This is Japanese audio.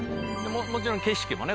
もちろん景色もね